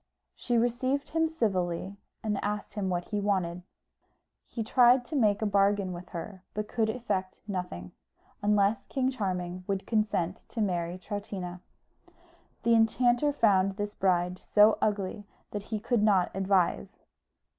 She received him civilly, and asked him what he wanted. He tried to make a bargain with her but could effect nothing, unless King Charming would consent to marry Troutina. The enchanter found this bride so ugly that he could not advise.